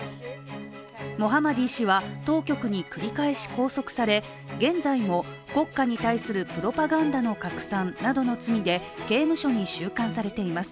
モハマディ氏は当局に繰り返し拘束され、現在も国家に対するプロパガンダの拡散などの罪で刑務所に収監されています。